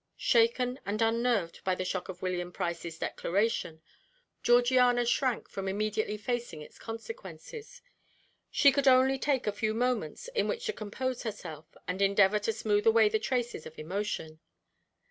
Shaken and unnerved by the shock of William Price's declaration, Georgiana shrank from immediately facing its consequences. She could only take a few moments in which to compose herself and endeavour to smooth away the traces of emotion.